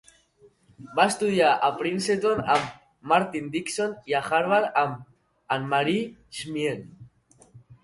Va estudiar a Princeton amb Martin Dickson i a Harvard amb Annemarie Schimmel.